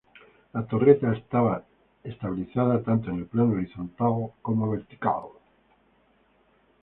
La torreta está estabilizada tanto en el plano horizontal como vertical.